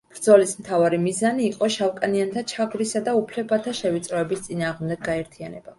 ბრძოლის მთავარი მიზანი იყო შავკანიანთა ჩაგვრისა და უფლებათა შევიწროების წინააღმდეგ გაერთიანება.